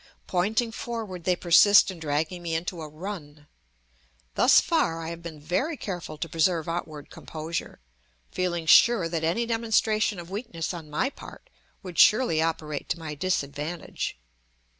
Pointing forward, they persist in dragging me into a run. Thus far I have been very careful to preserve outward composure, feeling sure that any demonstration of weakness on my part would surely operate to my disadvantage.